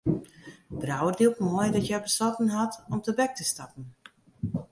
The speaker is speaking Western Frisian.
Brouwer dielt mei dat hja besletten hat om tebek te stappen.